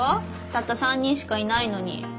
たった３人しかいないのに。